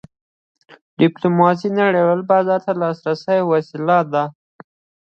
ډیپلوماسي نړیوال بازار ته د لاسرسي وسیله ده.